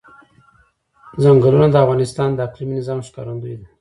چنګلونه د افغانستان د اقلیمي نظام ښکارندوی ده.